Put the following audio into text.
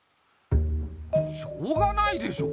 しょうがないでしょ。